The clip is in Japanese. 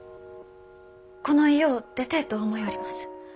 この家を出てえと思ようります。